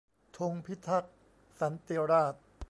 ธงพิทักษ์สันติราษฎร์